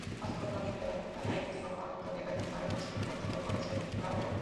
অথচ গতকাল দিনের বেলায় ঢাকায় এবং অন্যত্র একাধিকবার লোডশেডিং প্রত্যক্ষ করেছেন গ্রাহকেরা।